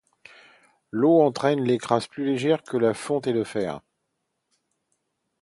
L’eau entraîne les crasses plus légères que la fonte et le fer.